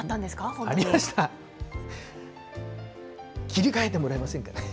切り替えてもらえませんか？